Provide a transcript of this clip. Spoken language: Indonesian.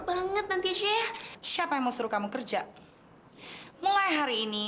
jangan bikin saya penasaran begini